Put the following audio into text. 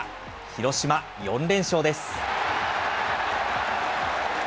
広島、４連勝です。